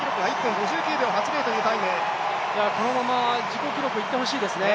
このまま自己記録いってほしいですね。